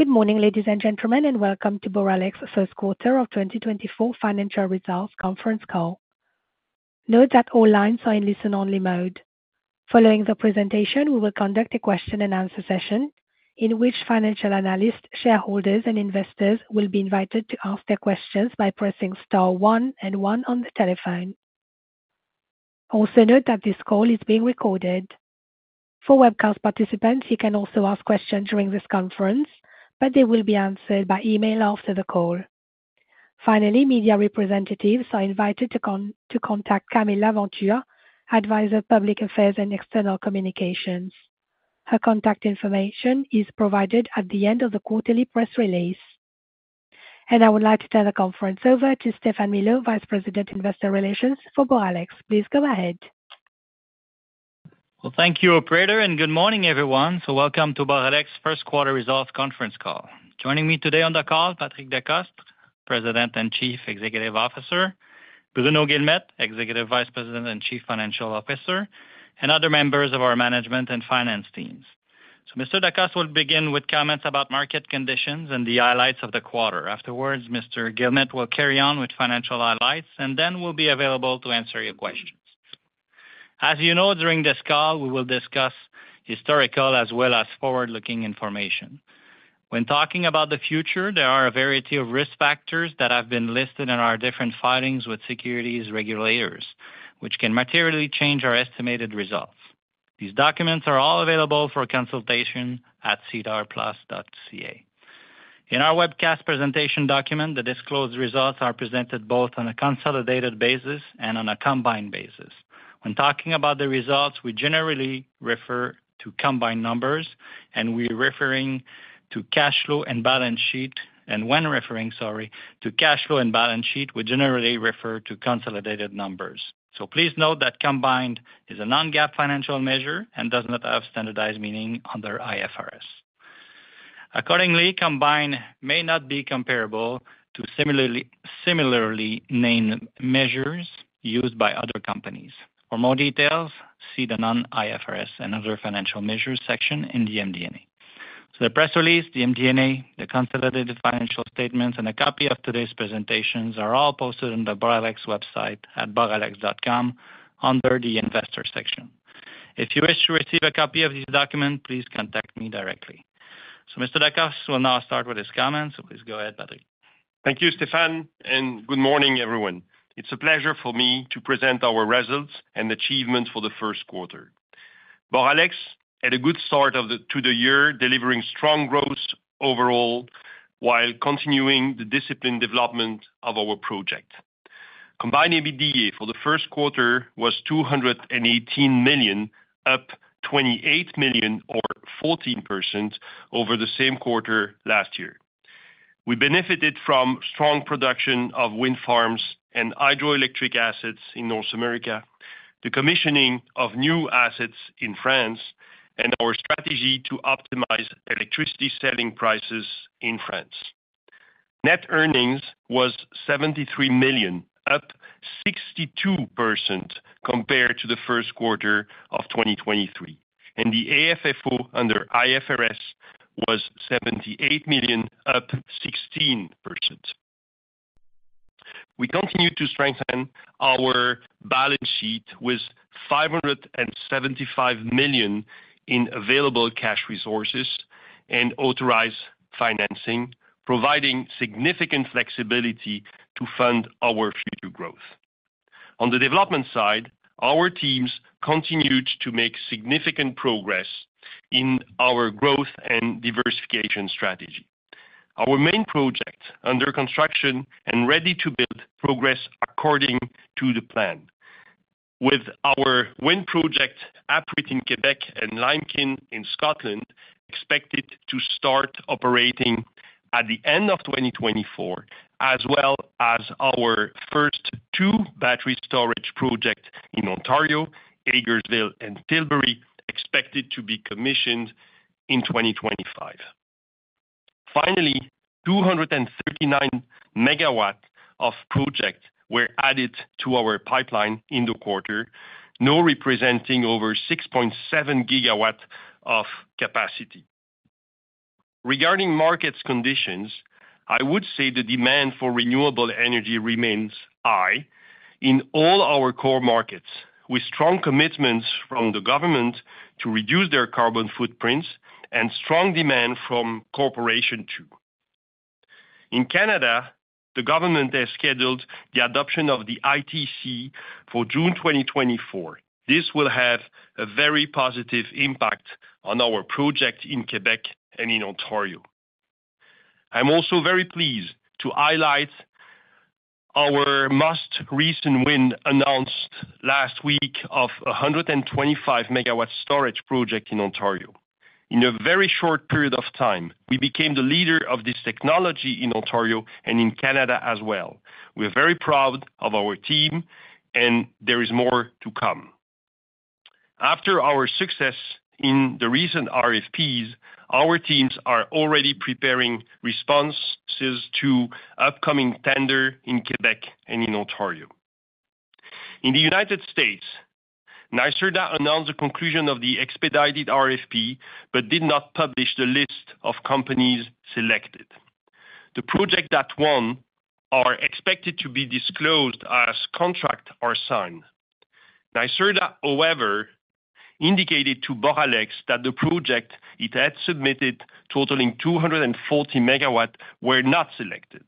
Good morning, ladies and gentlemen, and welcome to Boralex first quarter of 2024 financial results conference call. Note that all lines are in listen-only mode. Following the presentation, we will conduct a question-and-answer session, in which financial analysts, shareholders, and investors will be invited to ask their questions by pressing star one and one on the telephone. Also note that this call is being recorded. For webcast participants, you can also ask questions during this conference, but they will be answered by email after the call. Finally, media representatives are invited to contact Camille Laventure, Advisor, Public Affairs and External Communications. Her contact information is provided at the end of the quarterly press release. I would like to turn the conference over to Stéphane Milot, Vice President, Investor Relations for Boralex. Please go ahead. Well, thank you, operator, and good morning, everyone. Welcome to Boralex first quarter results conference call. Joining me today on the call, Patrick Decostre, President and Chief Executive Officer, Bruno Guilmette, Executive Vice President and Chief Financial Officer, and other members of our management and finance teams. Mr. Decostre will begin with comments about market conditions and the highlights of the quarter. Afterwards, Mr. Guilmette will carry on with financial highlights, and then we'll be available to answer your questions. As you know, during this call, we will discuss historical as well as forward-looking information. When talking about the future, there are a variety of risk factors that have been listed in our different filings with securities regulators, which can materially change our estimated results. These documents are all available for consultation at sedarplus.ca. In our webcast presentation document, the disclosed results are presented both on a consolidated basis and on a combined basis. When talking about the results, we generally refer to combined numbers, and we're referring to cash flow and balance sheet... And when referring, sorry, to cash flow and balance sheet, we generally refer to consolidated numbers. So please note that combined is a non-GAAP financial measure and does not have standardized meaning under IFRS. Accordingly, combined may not be comparable to similarly, similarly named measures used by other companies. For more details, see the non-IFRS and other financial measures section in the MD&A. So the press release, the MD&A, the consolidated financial statements, and a copy of today's presentations are all posted on the Boralex website at boralex.com under the Investor section. If you wish to receive a copy of this document, please contact me directly. So Mr. Decostre will now start with his comments. Please go ahead, Patrick. Thank you, Stéphane, and good morning, everyone. It's a pleasure for me to present our results and achievements for the first quarter. Boralex had a good start to the year, delivering strong growth overall, while continuing the disciplined development of our project. Combined EBITDA for the first quarter was 218 million, up 28 million or 14% over the same quarter last year. We benefited from strong production of wind farms and hydroelectric assets in North America, the commissioning of new assets in France, and our strategy to optimize electricity selling prices in France. Net earnings was 73 million, up 62% compared to the first quarter of 2023, and the AFFO under IFRS was 78 million, up 16%. We continued to strengthen our balance sheet with 575 million in available cash resources and authorized financing, providing significant flexibility to fund our future growth. On the development side, our teams continued to make significant progress in our growth and diversification strategy. Our main projects under construction and ready to build progressed according to the plan. With our wind projects, Apuiat in Quebec and Limekiln in Scotland, expected to start operating at the end of 2024, as well as our first two battery storage projects in Ontario, Hagersville and Tilbury, expected to be commissioned in 2025. Finally, 239 MW of projects were added to our pipeline in the quarter, now representing over 6.7 GW of capacity. Regarding market conditions, I would say the demand for renewable energy remains high in all our core markets, with strong commitments from the government to reduce their carbon footprints and strong demand from corporations, too. In Canada, the government has scheduled the adoption of the ITC for June 2024. This will have a very positive impact on our projects in Quebec and in Ontario. I'm also very pleased to highlight our most recent win, announced last week, of a 125-MW storage project in Ontario. In a very short period of time, we became the leader of this technology in Ontario and in Canada as well. We are very proud of our team, and there is more to come. After our success in the recent RFPs, our teams are already preparing responses to upcoming tenders in Quebec and in Ontario. In the United States, NYSERDA announced the conclusion of the expedited RFP, but did not publish the list of companies selected. The projects that won are expected to be disclosed as contracts are signed. NYSERDA, however, indicated to Boralex that the project it had submitted, totaling 240 MW, was not selected.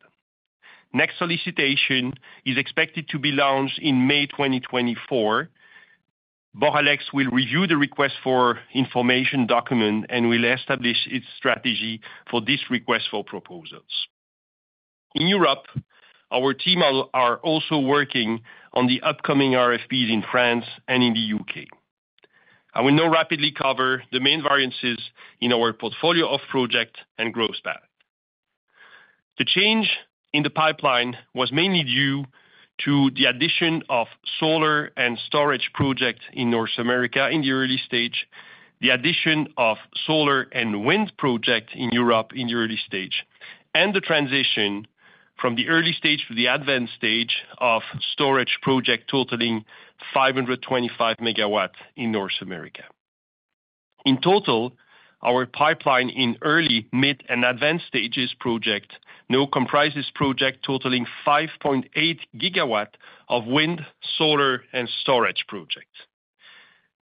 Next solicitation is expected to be launched in May 2024. Boralex will review the request for information document and will establish its strategy for this request for proposals. In Europe, our team are also working on the upcoming RFPs in France and in the UK. I will now rapidly cover the main variances in our portfolio of projects and growth path. The change in the pipeline was mainly due to the addition of solar and storage projects in North America in the early stage, the addition of solar and wind project in Europe in the early stage, and the transition from the early stage to the advanced stage of storage project, totaling 525 MW in North America. In total, our pipeline in early, mid, and advanced stages project now comprises project totaling 5.8 GW of wind, solar, and storage projects.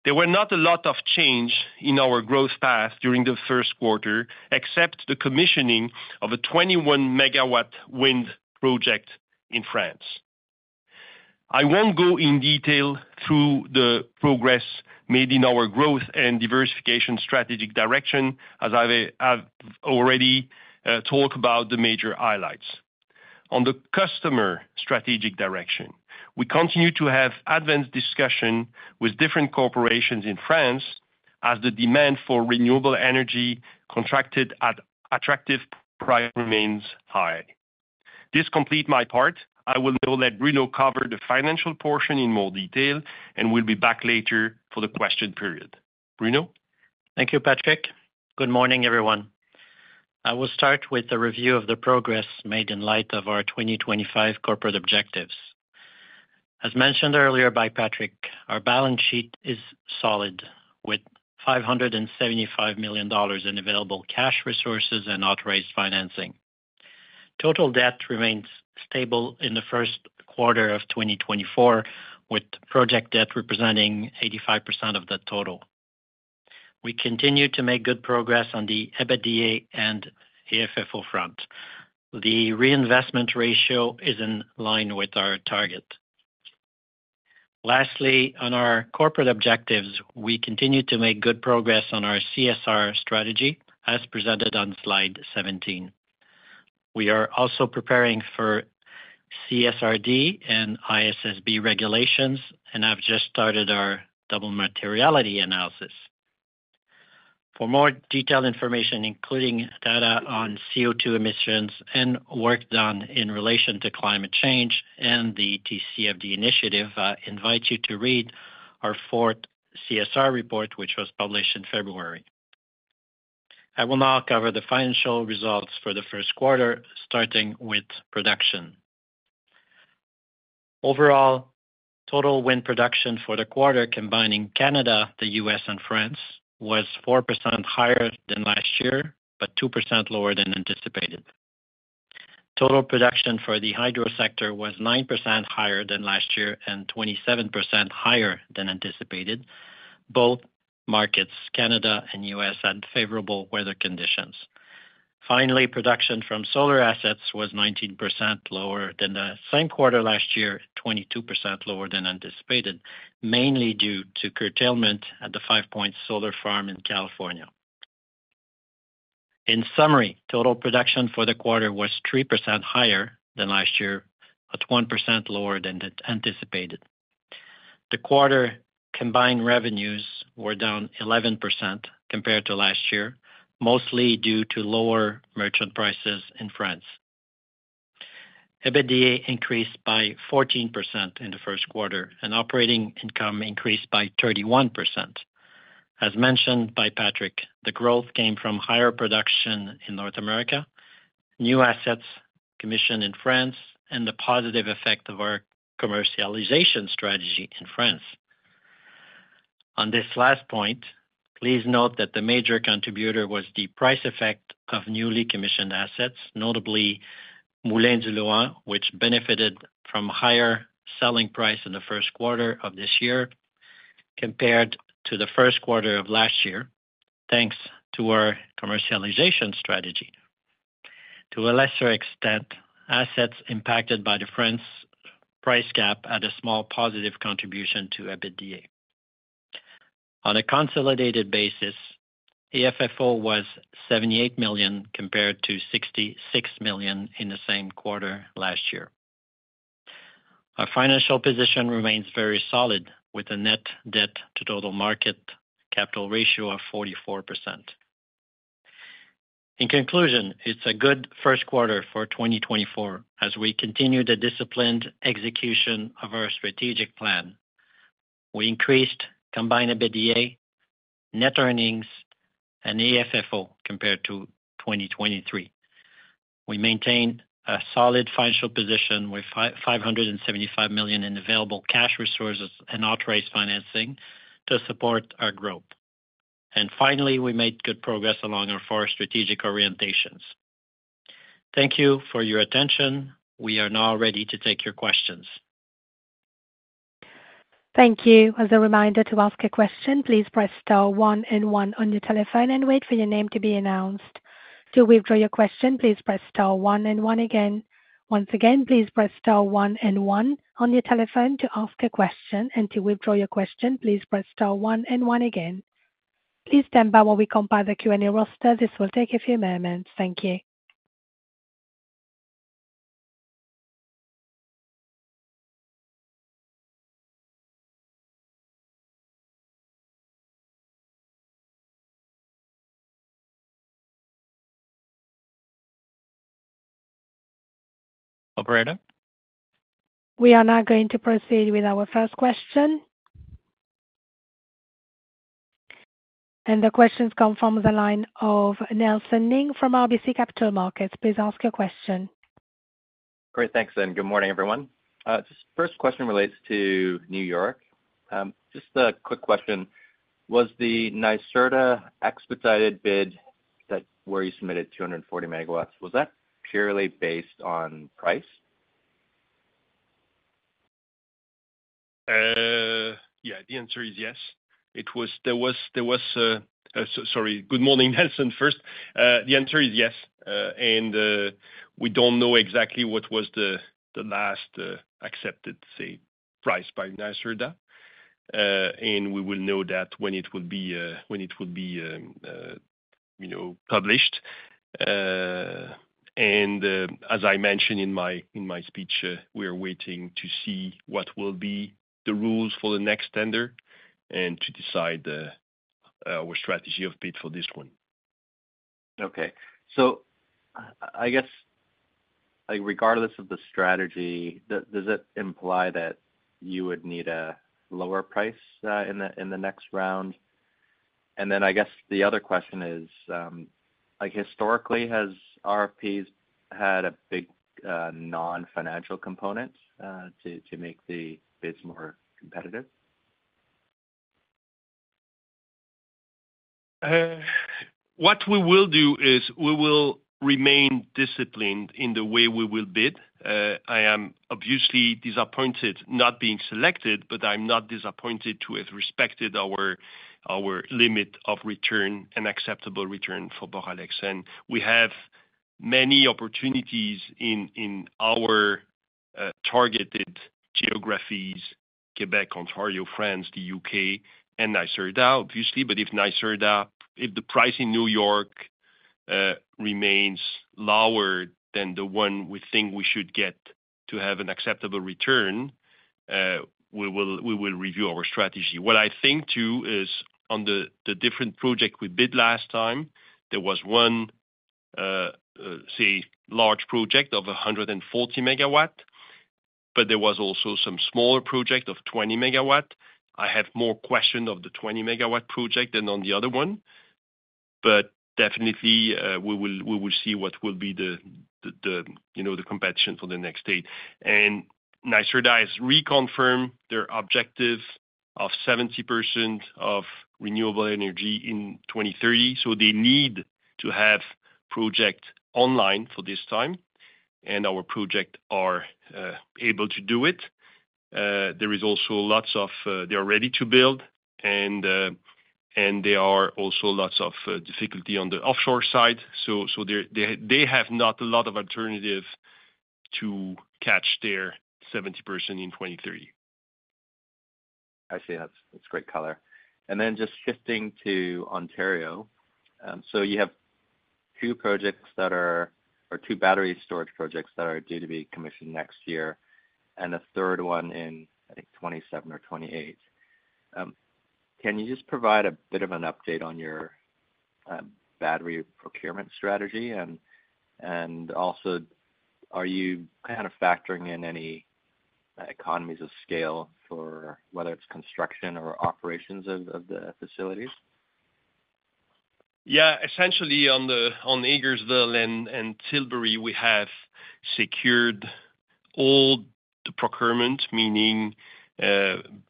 There were not a lot of change in our growth path during the first quarter, except the commissioning of a 21 MW wind project in France. I won't go in detail through the progress made in our growth and diversification strategic direction, as I've, I've already talked about the major highlights. On the customer strategic direction, we continue to have advanced discussions with different corporations in France as the demand for renewable energy contracted at attractive prices remains high. This completes my part. I will now let Bruno cover the financial portion in more detail, and we'll be back later for the question period. Bruno? Thank you, Patrick. Good morning, everyone. I will start with a review of the progress made in light of our 2025 corporate objectives. As mentioned earlier by Patrick, our balance sheet is solid, with 575 million dollars in available cash resources and authorized financing. Total debt remains stable in the first quarter of 2024, with project debt representing 85% of the total. We continue to make good progress on the EBITDA and AFFO front. The reinvestment ratio is in line with our target. Lastly, on our corporate objectives, we continue to make good progress on our CSR strategy, as presented on slide 17. We are also preparing for CSRD and ISSB regulations, and I've just started our double materiality analysis. For more detailed information, including data on CO2 emissions and work done in relation to climate change and the TCFD initiative, I invite you to read our fourth CSR report, which was published in February. I will now cover the financial results for the first quarter, starting with production. Overall, total wind production for the quarter, combining Canada, the U.S., and France, was 4% higher than last year, but 2% lower than anticipated. Total production for the hydro sector was 9% higher than last year and 27% higher than anticipated. Both markets, Canada and U.S., had favorable weather conditions. Finally, production from solar assets was 19% lower than the same quarter last year, 22% lower than anticipated, mainly due to curtailment at the Five Points Solar Park in California. In summary, total production for the quarter was 3% higher than last year, but 1% lower than anticipated. The quarter combined revenues were down 11% compared to last year, mostly due to lower merchant prices in France. EBITDA increased by 14% in the first quarter, and operating income increased by 31%. As mentioned by Patrick, the growth came from higher production in North America, new assets commissioned in France, and the positive effect of our commercialization strategy in France. On this last point, please note that the major contributor was the price effect of newly commissioned assets, notably Moulins du Lohan, which benefited from higher selling price in the first quarter of this year compared to the first quarter of last year, thanks to our commercialization strategy. To a lesser extent, assets impacted by the France price cap had a small positive contribution to EBITDA. On a consolidated basis, AFFO was 78 million, compared to 66 million in the same quarter last year. Our financial position remains very solid, with a net debt to total market capital ratio of 44%. In conclusion, it's a good first quarter for 2024 as we continue the disciplined execution of our strategic plan. We increased combined EBITDA, net earnings and AFFO compared to 2023. We maintained a solid financial position with 575 million in available cash resources and authorized financing to support our growth. Finally, we made good progress along our four strategic orientations. Thank you for your attention. We are now ready to take your questions. Thank you. As a reminder, to ask a question, please press star one and one on your telephone and wait for your name to be announced. To withdraw your question, please press star one and one again. Once again, please press star one and one on your telephone to ask a question, and to withdraw your question, please press star one and one again. Please stand by while we compile the Q&A roster. This will take a few moments. Thank you. Operator? We are now going to proceed with our first question. The question comes from the line of Nelson Ng from RBC Capital Markets. Please ask your question. Great, thanks, and good morning, everyone. This first question relates to New York. Just a quick question: Was the NYSERDA expedited bid that where you submitted 240 MW, was that purely based on price? Yeah, the answer is yes. Sorry. Good morning, Nelson, first. The answer is yes, and we don't know exactly what was the last accepted, say, price by NYSERDA. And we will know that when it will be, you know, published. And, as I mentioned in my speech, we are waiting to see what will be the rules for the next tender and to decide our strategy of bid for this one. Okay. So I guess, like, regardless of the strategy, does it imply that you would need a lower price in the next round? And then I guess the other question is, like, historically, has RFPs had a big non-financial component to make the bids more competitive? What we will do is we will remain disciplined in the way we will bid. I am obviously disappointed not being selected, but I'm not disappointed to have respected our limit of return, an acceptable return for Boralex. We have many opportunities in our targeted geographies, Quebec, Ontario, France, the U.K., and NYSERDA, obviously. But if NYSERDA, if the price in New York remains lower than the one we think we should get to have an acceptable return, we will review our strategy. What I think, too, is on the different project we bid last time, there was one, say, large project of 140 megawatt, but there was also some smaller project of 20 megawatt. I have more question of the 20-MW project than on the other one, but definitely, we will see what will be the, you know, the competition for the next state. And NYSERDA has reconfirmed their objective of 70% of renewable energy in 2030, so they need to have project online for this time, and our project are able to do it. There is also lots of. They are ready to build, and there are also lots of difficulty on the offshore side, so they're, they have not a lot of alternative to catch their 70% in 2030. I see. That's great color. And then just shifting to Ontario, so you have two projects that are... or two battery storage projects that are due to be commissioned next year, and a third one in, I think, 27 or 28. Can you just provide a bit of an update on your battery procurement strategy? And also, are you kind of factoring in any economies of scale for whether it's construction or operations of the facilities? Yeah, essentially, on the, on Hagersville and Tilbury, we have secured all the procurement, meaning,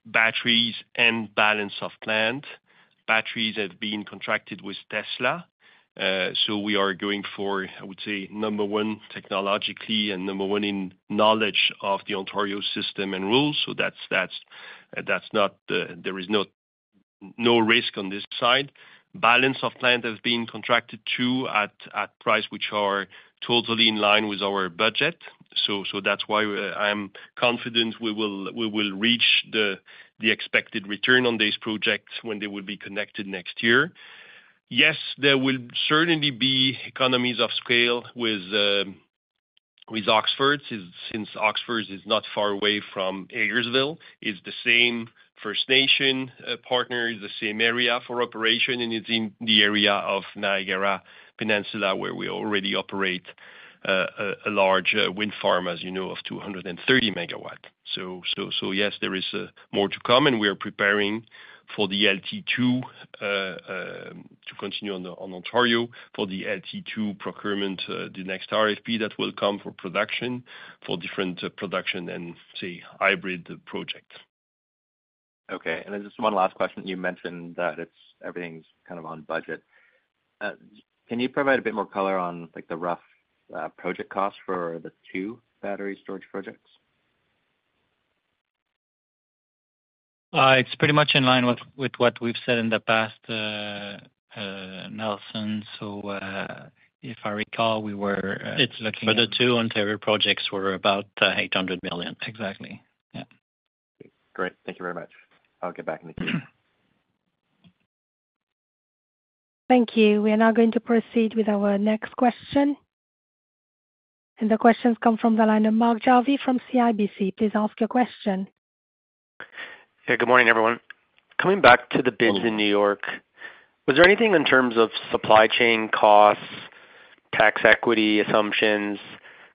batteries and balance of plant. Batteries have been contracted with Tesla, so we are going for, I would say, number one, technologically, and number one in knowledge of the Ontario system and rules. So that's, that's, that's not, there is no, no risk on this side. Balance of plant has been contracted, too, at, at price which are totally in line with our budget. So, so that's why I'm confident we will, we will reach the, the expected return on these projects when they will be connected next year. Yes, there will certainly be economies of scale with,... with Oxford, since Oxford is not far away from Hagersville, is the same First Nation partner, is the same area for operation, and it's in the area of Niagara Peninsula, where we already operate a large wind farm, as you know, of 230 MW. So yes, there is more to come, and we are preparing for the LT2 to continue on Ontario for the LT2 procurement, the next RFP that will come for production, for different production and, say, hybrid project. Okay. And then just one last question. You mentioned that it's everything's kind of on budget. Can you provide a bit more color on, like, the rough project costs for the two battery storage projects? It's pretty much in line with, with what we've said in the past, Nelson. So, if I recall, we were- It's for the two Ontario projects were about 800 million. Exactly, yeah. Great. Thank you very much. I'll get back in the queue. Thank you. We are now going to proceed with our next question. The question comes from the line of Mark Jarvi from CIBC. Please ask your question. Hey, good morning, everyone. Coming back to the bids in New York, was there anything in terms of supply chain costs, tax equity assumptions,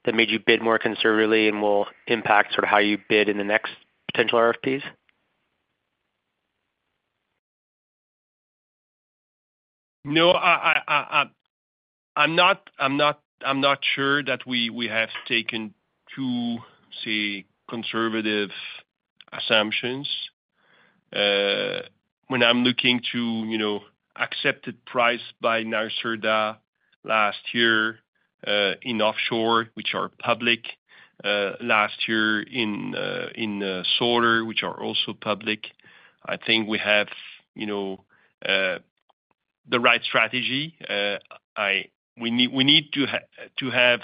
that made you bid more conservatively and will impact sort of how you bid in the next potential RFPs? No, I'm not sure that we have taken two, say, conservative assumptions. When I'm looking to, you know, accept the price by NYSERDA last year, in offshore, which are public, last year in solar, which are also public, I think we have, you know, the right strategy. We need to have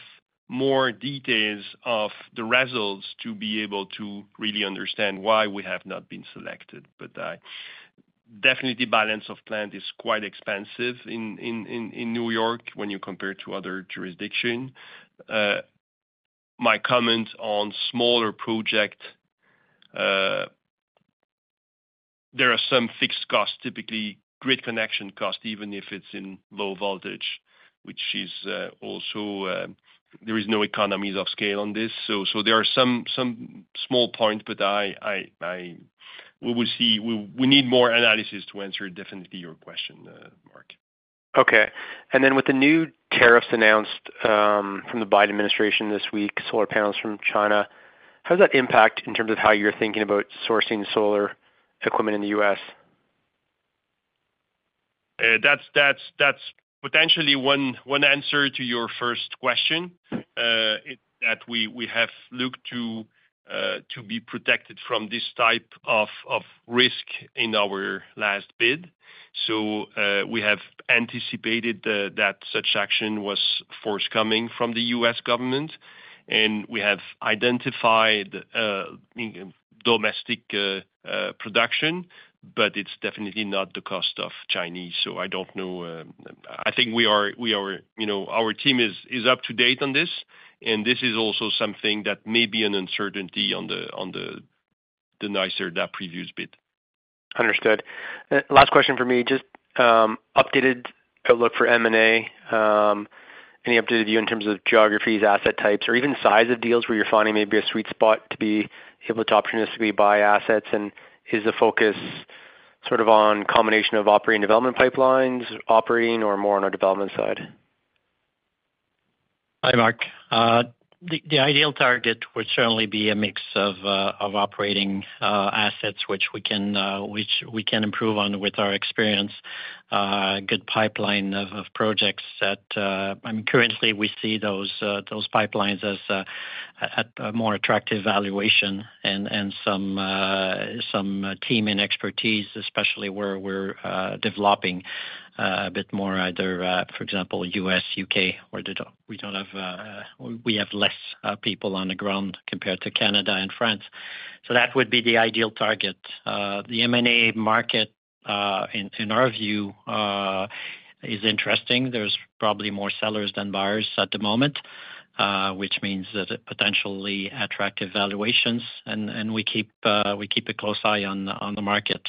more details of the results to be able to really understand why we have not been selected. But, definitely balance of plant is quite expensive in New York when you compare to other jurisdiction. My comment on smaller project, there are some fixed costs, typically grid connection cost, even if it's in low voltage, which is also, there is no economies of scale on this. So there are some small points, but I... We will see. We need more analysis to answer definitely your question, Mark. Okay. And then with the new tariffs announced, from the Biden administration this week, solar panels from China, how does that impact in terms of how you're thinking about sourcing solar equipment in the U.S.? That's potentially one answer to your first question, that we have looked to be protected from this type of risk in our last bid. So, we have anticipated that such action was forthcoming from the U.S. government, and we have identified domestic production, but it's definitely not the cost of Chinese. So I don't know, I think we are, you know, our team is up to date on this, and this is also something that may be an uncertainty on the NYSERDA previous bid. Understood. Last question for me, just, updated outlook for M&A. Any updated view in terms of geographies, asset types, or even size of deals where you're finding maybe a sweet spot to be able to opportunistically buy assets, and is the focus sort of on combination of operating development pipelines, operating, or more on our development side? Hi, Mark. The ideal target would certainly be a mix of operating assets which we can improve on with our experience, good pipeline of projects that currently we see those pipelines as at a more attractive valuation and some team and expertise, especially where we're developing a bit more either, for example, US, UK, where we have less people on the ground compared to Canada and France. So that would be the ideal target. The M&A market in our view is interesting. There's probably more sellers than buyers at the moment, which means that it potentially attractive valuations, and we keep a close eye on the market.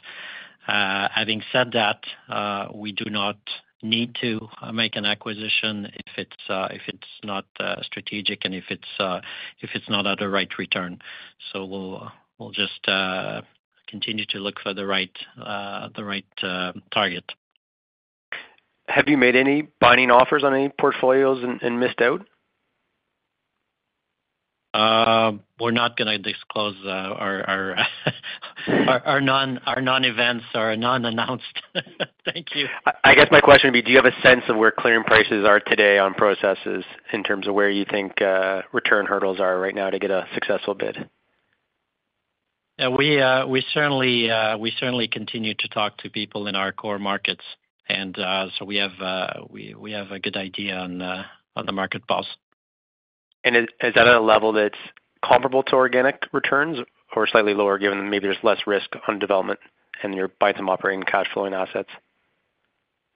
Having said that, we do not need to make an acquisition if it's not strategic and if it's not at a right return. So we'll just continue to look for the right target. Have you made any binding offers on any portfolios and missed out? We're not gonna disclose our non-events or non-announced. Thank you. I guess my question would be, do you have a sense of where clearing prices are today on projects in terms of where you think return hurdles are right now to get a successful bid? Yeah, we certainly continue to talk to people in our core markets, and so we have a good idea on the market pulse. Is that at a level that's comparable to organic returns or slightly lower, given that maybe there's less risk on development and you're buying some operating cash flowing assets?...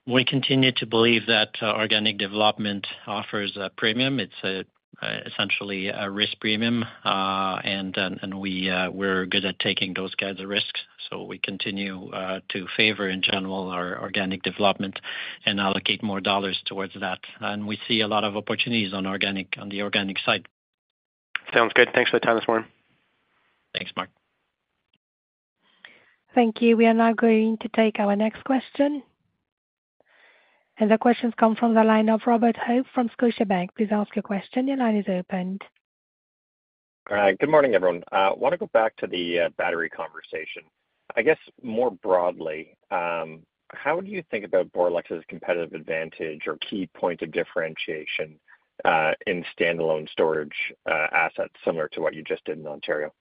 We continue to believe that organic development offers a premium. It's essentially a risk premium, and we are good at taking those kinds of risks. So we continue to favor, in general, our organic development and allocate more dollars towards that. And we see a lot of opportunities on organic, on the organic side. Sounds good. Thanks for the time this morning. Thanks, Mark. Thank you. We are now going to take our next question. The question comes from the line of Robert Hope from Scotiabank. Please ask your question. Your line is opened. Good morning, everyone. I want to go back to the battery conversation. I guess more broadly, how do you think about Boralex's competitive advantage or key point of differentiation in standalone storage assets, similar to what you just did in Ontario?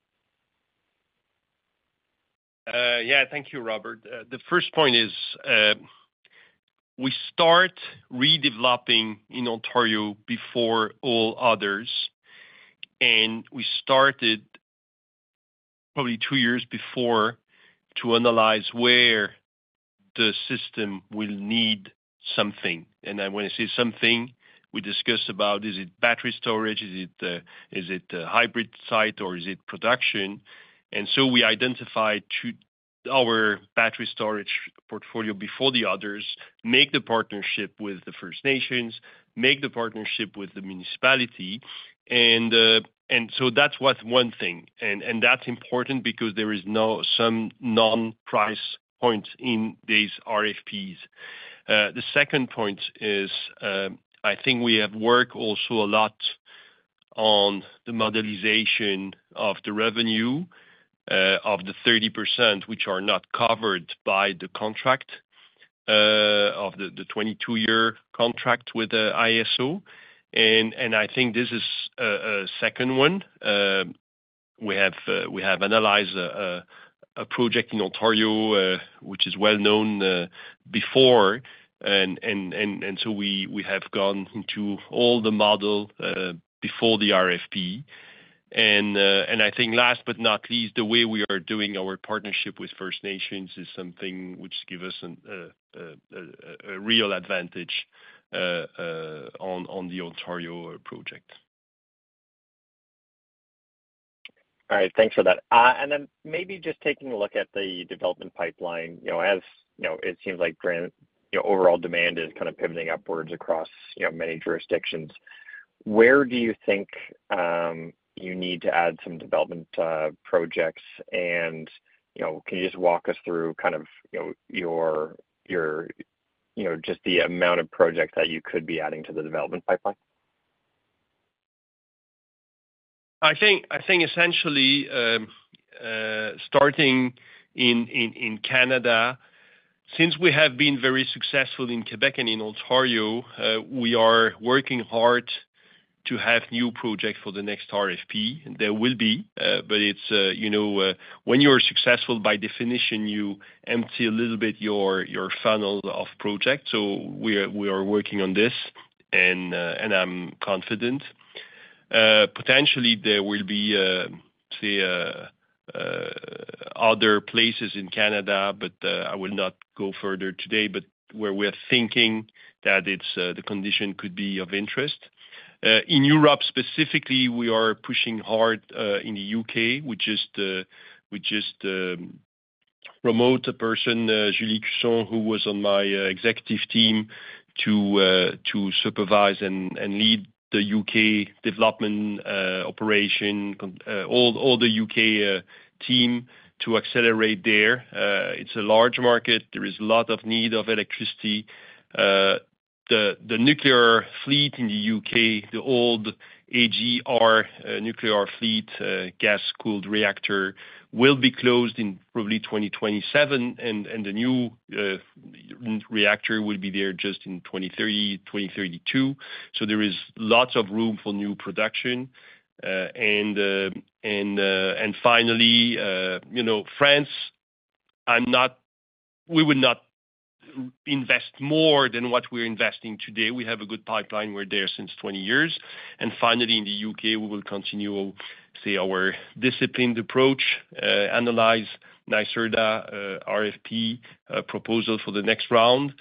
Yeah, thank you, Robert. The first point is, we start redeveloping in Ontario before all others, and we started probably two years before to analyze where the system will need something. And then when I say something, we discussed about, is it battery storage, is it a hybrid site, or is it production? And so we identified to our battery storage portfolio before the others, make the partnership with the First Nations, make the partnership with the municipality, and so that's what's one thing. And that's important because there is no some non-price points in these RFPs. The second point is, I think we have worked also a lot on the modelization of the revenue, of the 30%, which are not covered by the contract, of the 22-year contract with the ISO. I think this is a second one. We have analyzed a project in Ontario, which is well known before, and so we have gone into all the model before the RFP. And I think last but not least, the way we are doing our partnership with First Nations is something which give us a real advantage on the Ontario project. All right, thanks for that. And then maybe just taking a look at the development pipeline, you know, as you know, it seems like given your overall demand is kind of pivoting upwards across, you know, many jurisdictions. Where do you think you need to add some development projects? And, you know, can you just walk us through kind of, you know, your your you know, just the amount of projects that you could be adding to the development pipeline? I think essentially, starting in Canada, since we have been very successful in Quebec and in Ontario, we are working hard to have new projects for the next RFP. There will be, but it's, you know, when you are successful, by definition, you empty a little bit your funnel of projects. So we are working on this, and I'm confident. Potentially there will be, say, other places in Canada, but I will not go further today, but where we're thinking that it's the condition could be of interest. In Europe, specifically, we are pushing hard in the UK. We just, we just promote a person, Julie Cusson, who was on my executive team, to supervise and, and lead the UK development operation, all, all the UK team to accelerate there. It's a large market. There is a lot of need of electricity. The nuclear fleet in the UK, the old AGR nuclear fleet, gas-cooled reactor, will be closed in probably 2027, and the new reactor will be there just in 2030, 2032. So there is lots of room for new production. And finally, you know, France, I'm not we would not invest more than what we're investing today. We have a good pipeline. We're there since 20 years. And finally, in the U.K., we will continue our disciplined approach, analyze NYSERDA RFP proposal for the next round,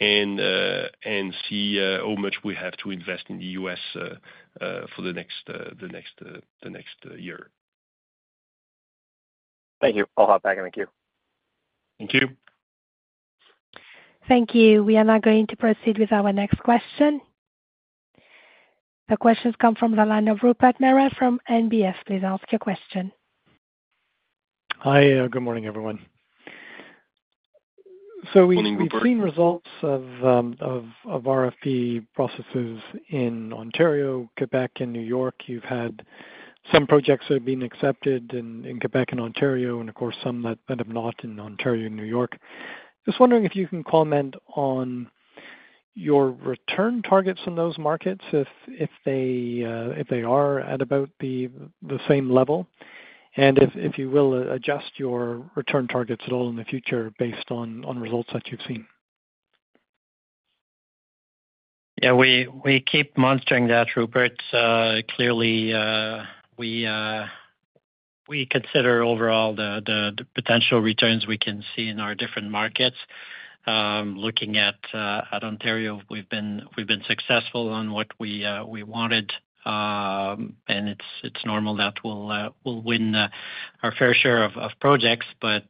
and see how much we have to invest in the U.S. for the next year. Thank you. I'll hop back in the queue. Thank you. Thank you. We are now going to proceed with our next question. The question's come from the line of Rupert Merer from NBF. Please ask your question. Hi, good morning, everyone. So we've- Morning, Rupert. We've seen results of RFP processes in Ontario, Quebec, and New York. You've had some projects that have been accepted in Quebec and Ontario, and of course, some that have not in Ontario and New York. Just wondering if you can comment on your return targets in those markets, if they are at about the same level, and if you will adjust your return targets at all in the future based on results that you've seen? Yeah, we keep monitoring that, Rupert. Clearly, we consider overall the potential returns we can see in our different markets. Looking at Ontario, we've been successful on what we wanted. And it's normal that we'll win our fair share of projects, but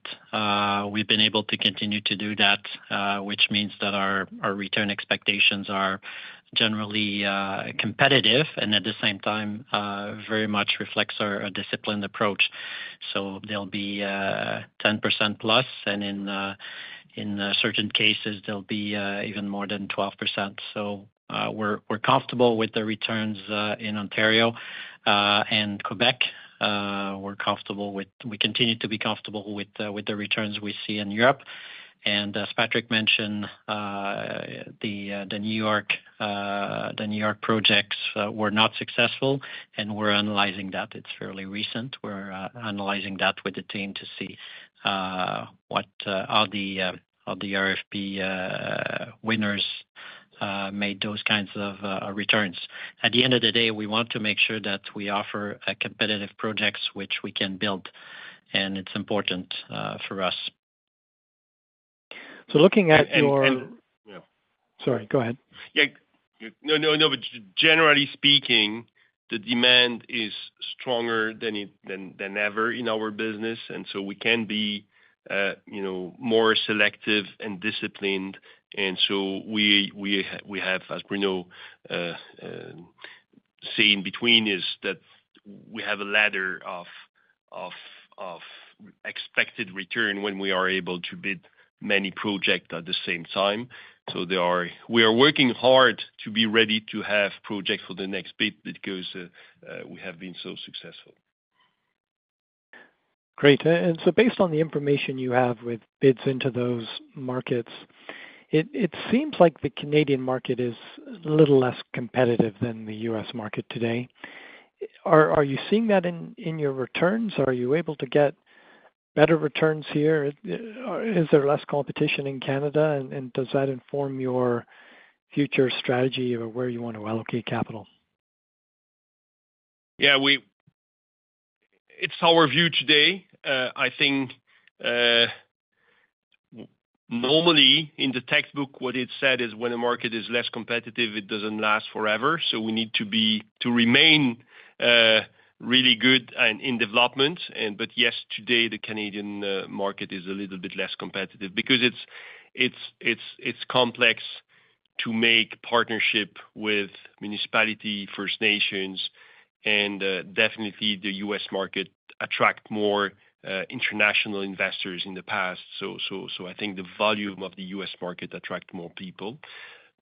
we've been able to continue to do that, which means that our return expectations are generally competitive, and at the same time, very much reflects our disciplined approach. So they'll be 10%+, and in certain cases, they'll be even more than 12%. So, we're comfortable with the returns in Ontario and Quebec. We continue to be comfortable with the returns we see in Europe. And as Patrick mentioned, the New York projects were not successful, and we're analyzing that. It's fairly recent. We're analyzing that with the team to see how the RFP winners made those kinds of returns. At the end of the day, we want to make sure that we offer a competitive projects which we can build, and it's important for us. So looking at your- Yeah. Sorry, go ahead. Yeah. No, no, no, but generally speaking, the demand is stronger than it, than, than ever in our business, and so we can be, you know, more selective and disciplined. So we have, as Bruno say in between, is that we have a ladder of expected return when we are able to bid many project at the same time. So there are we are working hard to be ready to have projects for the next bid that goes, we have been so successful. Great. And so based on the information you have with bids into those markets, it seems like the Canadian market is a little less competitive than the US market today. Are you seeing that in your returns, or are you able to get better returns here? Is there less competition in Canada, and does that inform your future strategy of where you want to allocate capital? Yeah, it's our view today. I think, normally in the textbook, what it said is when a market is less competitive, it doesn't last forever. So we need to be, to remain, really good and in development. But yes, today, the Canadian market is a little bit less competitive because it's complex to make partnership with municipality, First Nations, and definitely the U.S. market attract more international investors in the past. So I think the volume of the U.S. market attract more people.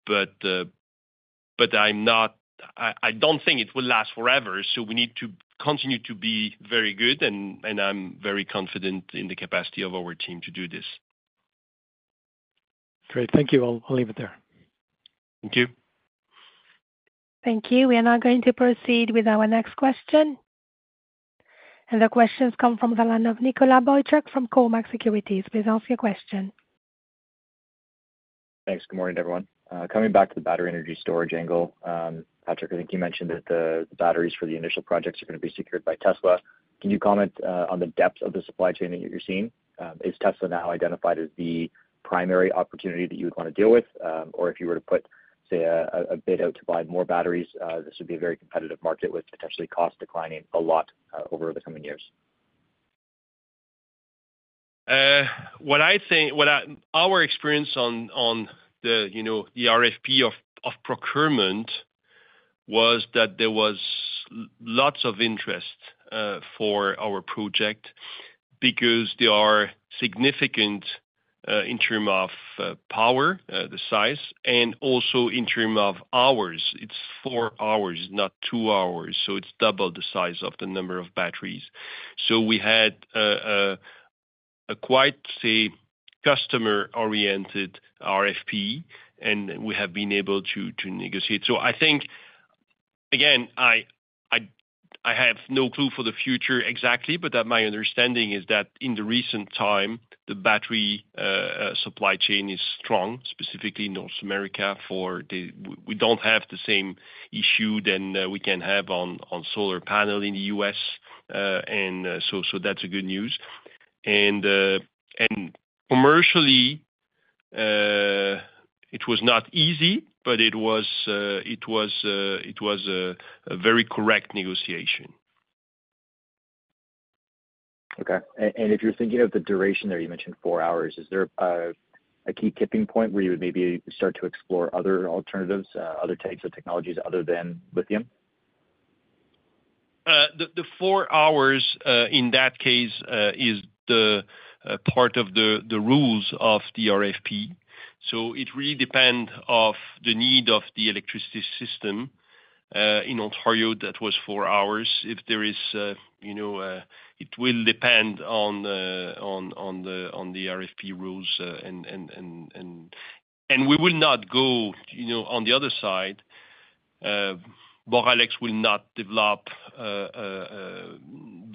But I'm not—I don't think it will last forever, so we need to continue to be very good, and I'm very confident in the capacity of our team to do this. Great. Thank you. I'll, I'll leave it there. Thank you. Thank you. We are now going to proceed with our next question. The question has come from the line of Nicholas Boychuk from Cormark Securities. Please ask your question. Thanks. Good morning, everyone. Coming back to the battery energy storage angle, Patrick, I think you mentioned that the batteries for the initial projects are gonna be secured by Tesla. Can you comment on the depth of the supply chain that you're seeing? Is Tesla now identified as the primary opportunity that you would want to deal with? Or if you were to put, say, a bid out to buy more batteries, this would be a very competitive market, with potentially cost declining a lot over the coming years. What I think, our experience on the, you know, the RFP of procurement was that there was lots of interest for our project because they are significant in term of power the size, and also in term of hours. It's 4 hours, not 2 hours, so it's double the size of the number of batteries. So we had a quite, say, customer-oriented RFP, and we have been able to negotiate. So I think, again, I have no clue for the future exactly, but my understanding is that in the recent time, the battery supply chain is strong, specifically in North America, for the we don't have the same issue than we can have on solar panel in the US. So that's a good news. And commercially, it was not easy, but it was a very correct negotiation. Okay. And if you're thinking of the duration there, you mentioned four hours, is there a key tipping point where you would maybe start to explore other alternatives, other types of technologies other than lithium? The 4 hours, in that case, is the part of the rules of the RFP. So it really depend of the need of the electricity system. In Ontario, that was 4 hours. If there is, you know, it will depend on the RFP rules, and-- And we will not go, you know, on the other side. Boralex will not develop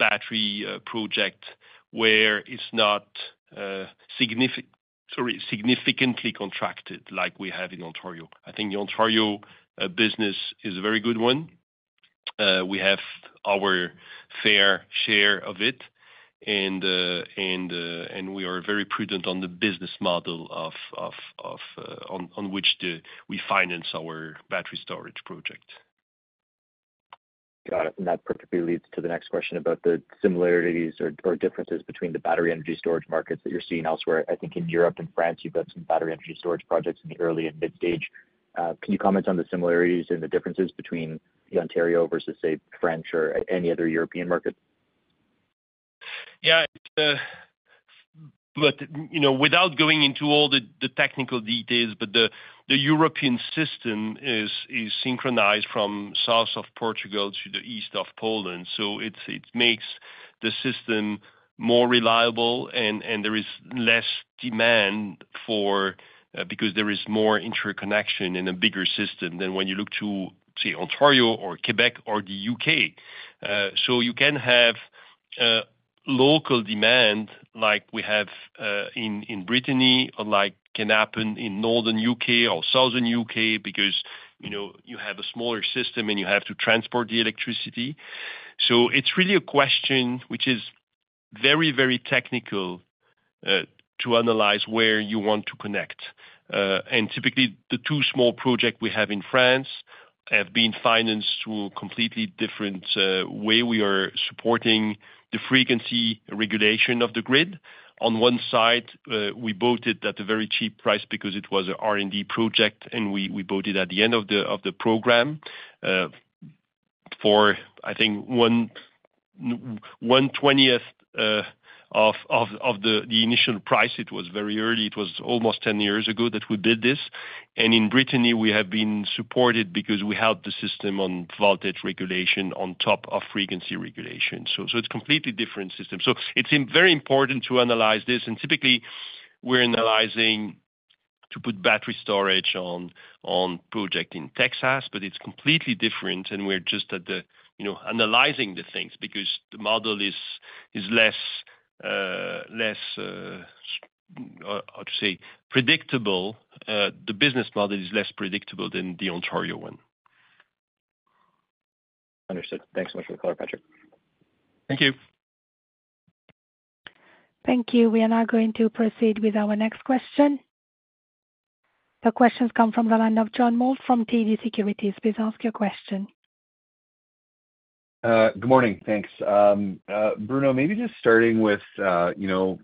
battery project where it's not, sorry, significantly contracted like we have in Ontario. I think the Ontario business is a very good one. We have our fair share of it, and we are very prudent on the business model of, on which the-- we finance our battery storage project. Got it. That perfectly leads to the next question about the similarities or, or differences between the battery energy storage markets that you're seeing elsewhere. I think in Europe and France, you've got some battery energy storage projects in the early and mid stage. Can you comment on the similarities and the differences between the Ontario versus, say, French or any other European market? Yeah, but you know, without going into all the technical details, but the European system is synchronized from south of Portugal to the east of Poland, so it makes the system more reliable and there is less demand for, because there is more interconnection in a bigger system than when you look to, say, Ontario or Quebec or the UK. So you can have local demand like we have in Brittany or like can happen in northern UK or southern UK because, you know, you have a smaller system and you have to transport the electricity. So it's really a question which is very, very technical to analyze where you want to connect. And typically, the two small project we have in France have been financed through a completely different way. We are supporting the frequency regulation of the grid. On one side, we bought it at a very cheap price because it was a R&D project, and we bought it at the end of the program for, I think, one-twentieth of the initial price. It was very early. It was almost 10 years ago that we did this. And in Brittany, we have been supported because we helped the system on voltage regulation on top of frequency regulation. So it's completely different system. So it's very important to analyze this, and typically we're analyzing to put battery storage on project in Texas, but it's completely different and we're just at the, you know, analyzing the things because the model is less, how to say, predictable. The business model is less predictable than the Ontario one. Understood. Thanks so much for the call, Patrick. Thank you. Thank you. We are now going to proceed with our next question. The question comes from the line of John Mould from TD Securities. Please ask your question. Good morning. Thanks. Bruno, maybe just starting with, you know,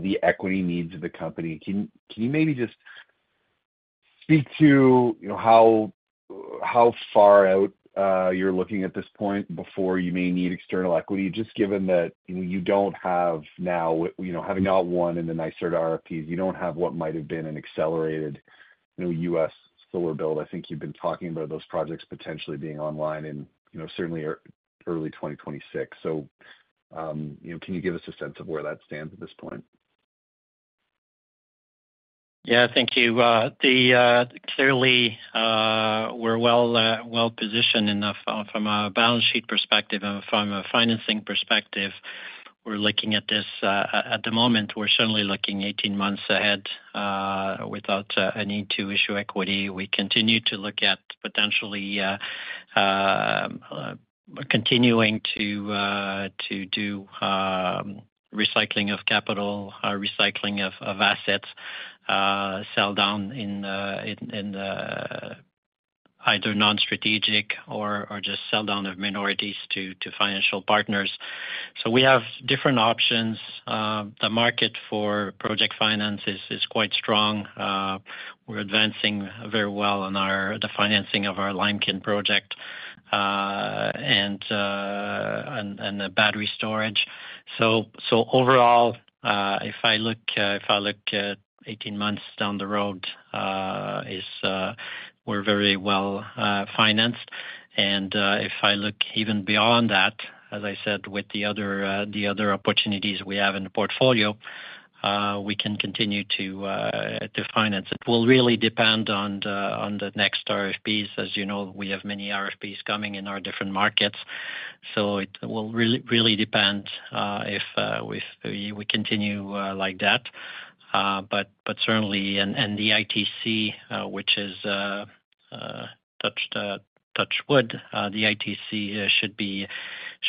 the equity needs of the company. Can, can you maybe just speak to, you know, how, how far out you're looking at this point before you may need external equity, just given that, you know, you don't have now, you know, having not won in the NYSERDA RFPs, you don't have what might have been an accelerated, you know, US solar build. I think you've been talking about those projects potentially being online in, you know, certainly early 2026. So, you know, can you give us a sense of where that stands at this point? Yeah, thank you. Clearly, we're well positioned enough from a balance sheet perspective and from a financing perspective. We're looking at this, at the moment, we're certainly looking 18 months ahead, without a need to issue equity. We continue to look at potentially continuing to do recycling of capital, recycling of assets, sell down in either non-strategic or just sell down of minorities to financial partners. So we have different options. The market for project finances is quite strong. We're advancing very well on the financing of our Limekiln project, and the battery storage. So overall, if I look at 18 months down the road, we're very well financed. If I look even beyond that, as I said, with the other opportunities we have in the portfolio, we can continue to finance. It will really depend on the next RFPs. As you know, we have many RFPs coming in our different markets, so it will really depend if we continue like that. But certainly, and the ITC, which is, touch wood, the ITC should be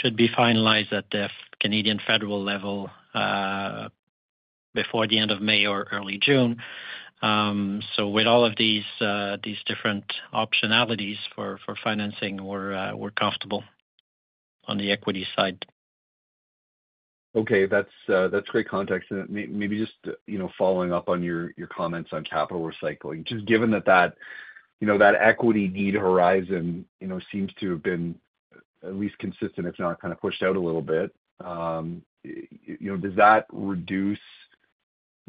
finalized at the Canadian federal level before the end of May or early June. So with all of these different optionalities for financing, we're comfortable on the equity side. Okay. That's, that's great context. And maybe just, you know, following up on your, your comments on capital recycling, just given that that, you know, that equity need horizon, you know, seems to have been at least consistent, if not kind of pushed out a little bit, you know, does that reduce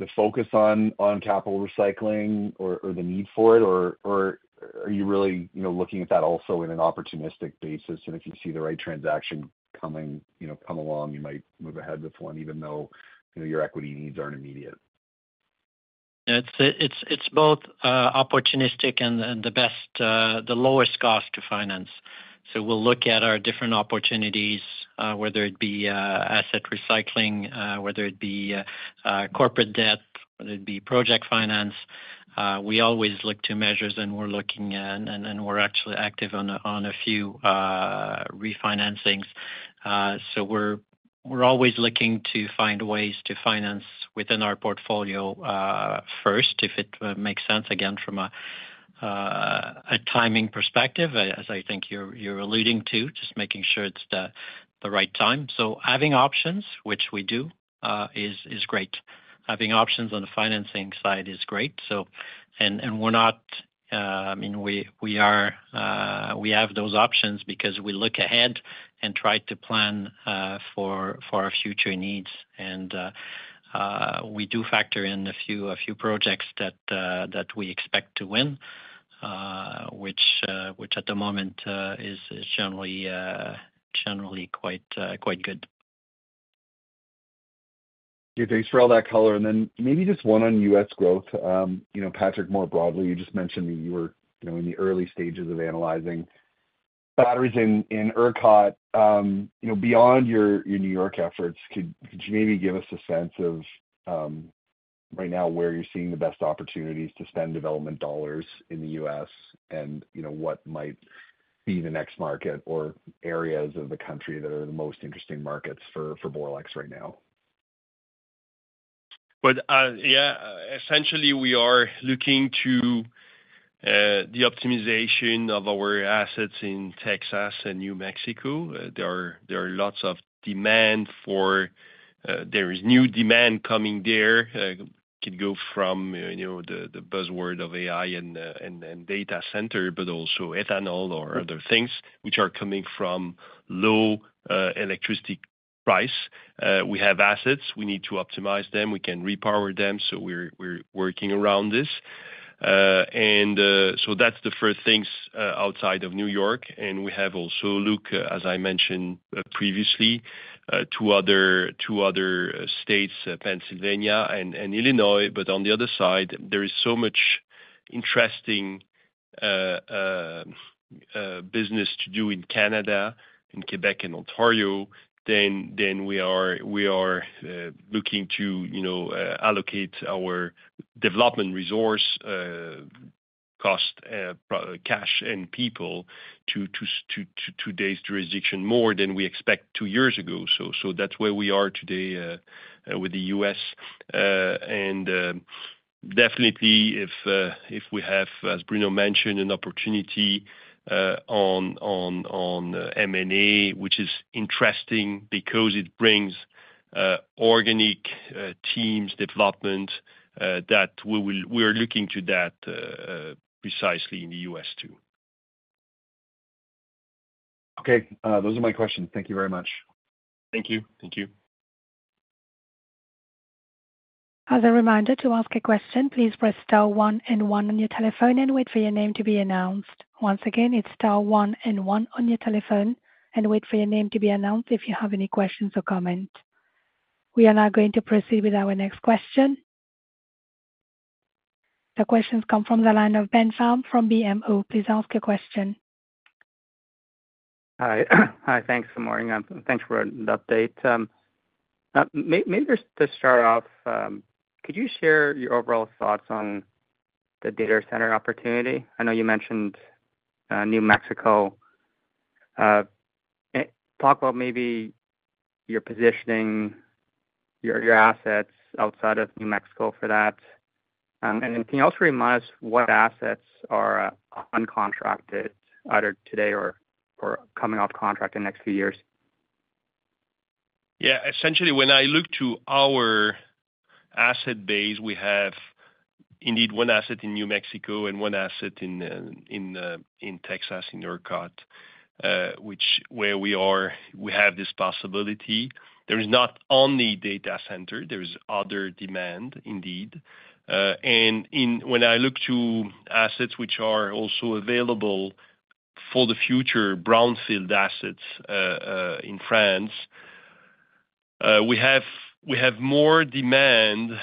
the focus on, on capital recycling or, or the need for it, or, or are you really, you know, looking at that also in an opportunistic basis, and if you see the right transaction coming, you know, come along, you might move ahead with one, even though, you know, your equity needs aren't immediate? It's both opportunistic and the best, the lowest cost to finance. So we'll look at our different opportunities, whether it be asset recycling, whether it be corporate debt, whether it be project finance. We always look to measures, and we're looking and we're actually active on a few refinancings. So we're always looking to find ways to finance within our portfolio first, if it makes sense, again, from a timing perspective, as I think you're alluding to, just making sure it's the right time. So having options, which we do, is great. Having options on the financing side is great. So, we're not—I mean, we are. We have those options because we look ahead and try to plan for our future needs. And we do factor in a few projects that we expect to win, which at the moment is generally quite good. Yeah, thanks for all that color, and then maybe just one on U.S. growth. You know, Patrick, more broadly, you just mentioned that you were, you know, in the early stages of analyzing batteries in ERCOT. You know, beyond your New York efforts, could you maybe give us a sense of right now, where you're seeing the best opportunities to spend development dollars in the U.S. and, you know, what might be the next market or areas of the country that are the most interesting markets for Boralex right now? But, yeah, essentially, we are looking to the optimization of our assets in Texas and New Mexico. There are lots of demand for, there is new demand coming there. Could go from, you know, the buzzword of AI and data center, but also ethanol or other things which are coming from low electricity price. We have assets. We need to optimize them. We can repower them, so we're working around this. And so that's the first things outside of New York, and we have also look, as I mentioned previously, two other states, Pennsylvania and Illinois. But on the other side, there is so much interesting business to do in Canada, in Quebec and Ontario. Then we are looking to, you know, allocate our development resource, cost, pro- cash and people to today's jurisdiction more than we expect two years ago. So that's where we are today with the U.S. And definitely if we have, as Bruno mentioned, an opportunity on M&A, which is interesting because it brings organic teams development that we will-- we are looking to that precisely in the U.S., too. Okay, those are my questions. Thank you very much. Thank you. Thank you. As a reminder, to ask a question, please press star one and one on your telephone and wait for your name to be announced. Once again, it's star one and one on your telephone and wait for your name to be announced if you have any questions or comments. We are now going to proceed with our next question. The questions come from the line of Ben Pham from BMO. Please ask a question. Hi. Hi, thanks for the morning, and thanks for the update. Maybe just to start off, could you share your overall thoughts on the data center opportunity? I know you mentioned, New Mexico. Talk about maybe you're positioning your, your assets outside of New Mexico for that. And can you also remind us what assets are, uncontracted, either today or, or coming off contract in the next few years? Yeah, essentially, when I look to our asset base, we have indeed one asset in New Mexico and one asset in Texas, in ERCOT, which where we are, we have this possibility. There is not only data center, there is other demand, indeed. When I look to assets which are also available for the future, brownfield assets, in France, we have more demand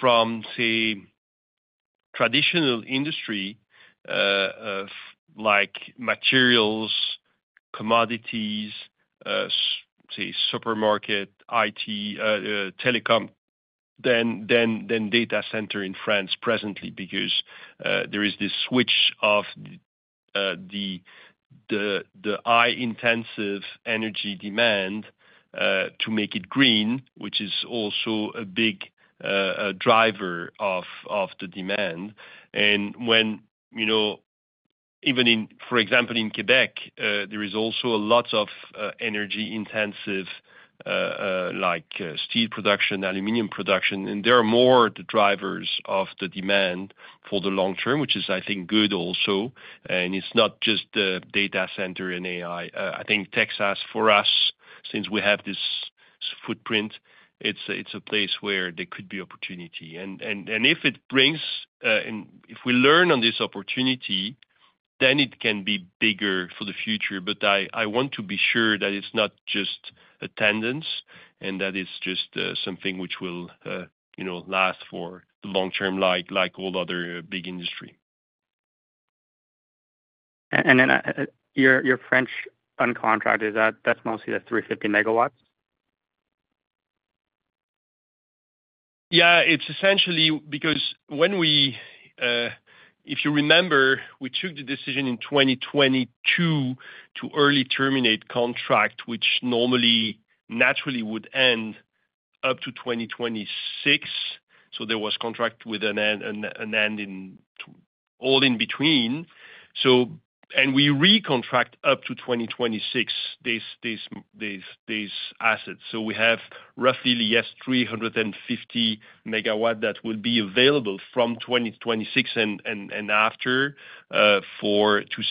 from, say, traditional industry, like materials, commodities, say, supermarket, IT, telecom, than data center in France presently, because there is this switch of the high intensive energy demand to make it green, which is also a big driver of the demand. And when, you know, even in, for example, in Quebec, there is also a lot of, energy intensive, like, steel production, aluminum production, and there are more the drivers of the demand for the long term, which is, I think, good also. And it's not just the data center and AI. I think Texas, for us, since we have this footprint, it's a place where there could be opportunity. And if it brings, and if we learn on this opportunity, then it can be bigger for the future. But I want to be sure that it's not just attendance and that it's just, something which will, you know, last for the long term, like, like all other big industry. and then, your French uncontracted, is that that's mostly the 350 megawatts? Yeah, it's essentially because when we, if you remember, we took the decision in 2022 to early terminate contract, which normally naturally would end up to 2026. So there was contract with an end, an end in 2024 all in between. So we recontract up to 2026, these assets. So we have roughly, yes, 350 MW that will be available from 2026 and after, to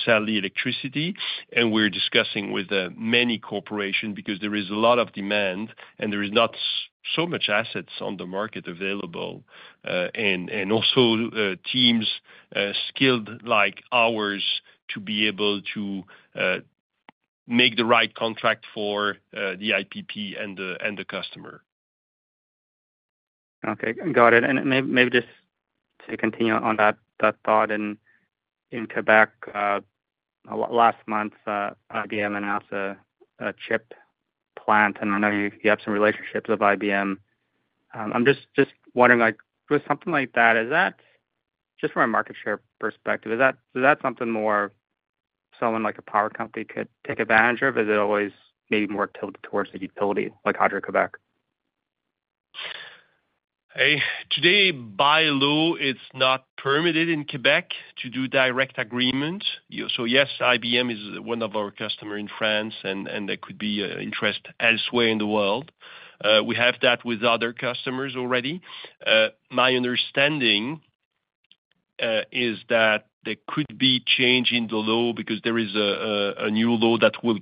sell the electricity. And we're discussing with many corporation, because there is a lot of demand, and there is not so much assets on the market available. And also, teams skilled like ours, to be able to make the right contract for the IPP and the customer. Okay, got it. And maybe, maybe just to continue on that, that thought, in Québec, last month, IBM announced a chip plant, and I know you have some relationships with IBM. I'm just wondering, like, with something like that, is that... Just from a market share perspective, is that something more someone like a power company could take advantage of? Is it always maybe more tilted towards the utility, like Hydro-Québec? Today, by law, it's not permitted in Quebec to do direct agreement. So yes, IBM is one of our customer in France, and there could be interest elsewhere in the world. We have that with other customers already. My understanding is that there could be change in the law because there is a new law that will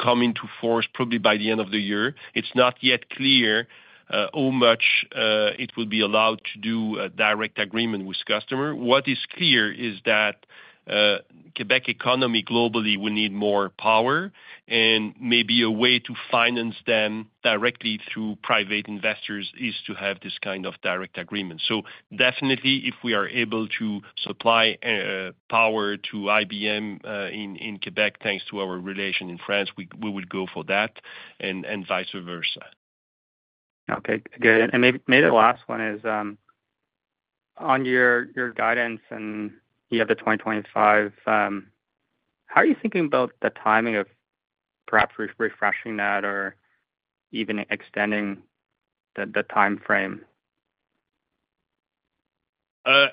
come into force probably by the end of the year. It's not yet clear how much it will be allowed to do a direct agreement with customer. What is clear is that Quebec economy globally will need more power, and maybe a way to finance them directly through private investors is to have this kind of direct agreement. So definitely, if we are able to supply power to IBM in Quebec, thanks to our relation in France, we would go for that and vice versa. Okay, good. And maybe, maybe the last one is, on your, your guidance, and you have the 2025, how are you thinking about the timing of perhaps re-refreshing that or even extending the, the timeframe?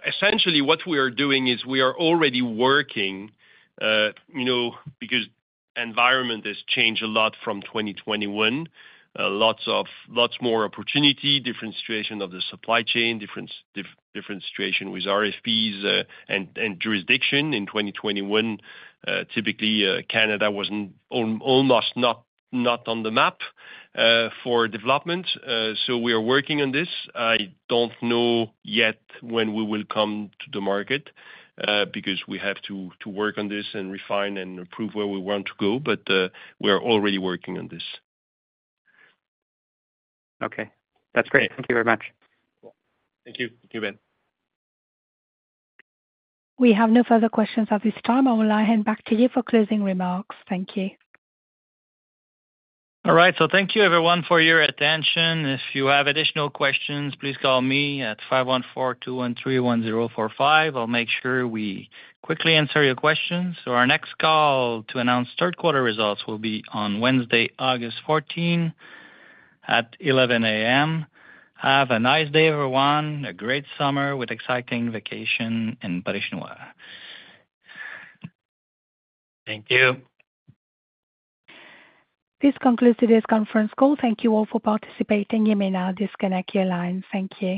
Essentially, what we are doing is we are already working, you know, because environment has changed a lot from 2021. Lots of, lots more opportunity, different situation of the supply chain, different situation with RFPs, and jurisdiction. In 2021, typically, Canada was almost not on the map for development. So we are working on this. I don't know yet when we will come to the market, because we have to work on this and refine and improve where we want to go, but we are already working on this. Okay. That's great. Yeah. Thank you very much. Thank you. Thank you, Ben. We have no further questions at this time. I will hand back to you for closing remarks. Thank you. All right, thank you everyone for your attention. If you have additional questions, please call me at 514-213-1045. I'll make sure we quickly answer your questions. Our next call to announce third quarter results will be on Wednesday, August 14, at 11:00 A.M. Have a nice day, everyone. A great summer with exciting vacation in Parish Noire. Thank you. This concludes today's conference call. Thank you all for participating. You may now disconnect your line. Thank you.